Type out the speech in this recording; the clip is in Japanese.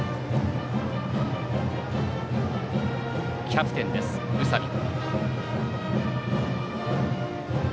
キャプテンです、宇佐美。